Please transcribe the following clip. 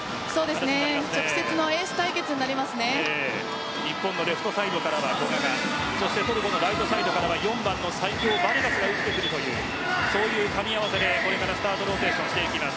直接の日本のレフトサイドから古賀トルコのライトサイドからは４番の最強バルガスを打ってくるというそういう組み合わせでこれからスタートローテーションしていきます。